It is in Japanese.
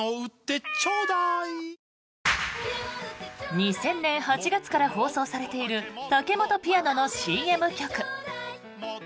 ２０００年８月から放送されているタケモトピアノのＣＭ曲。